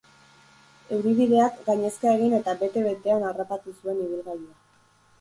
Euri-bideak gainezka egin eta bete-betean harrapatu zuen ibilgailua.